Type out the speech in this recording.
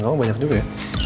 kamu banyak juga ya